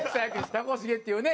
たこしげっていうね